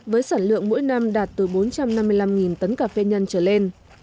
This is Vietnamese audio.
với sản lượng mỗi năm đạt từ bốn trăm năm mươi năm tấn cà phê nhân trở lên